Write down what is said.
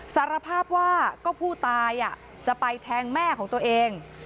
สารภาพว่าก็ผู้ตายจะไปแทงแม่ของตัวเอง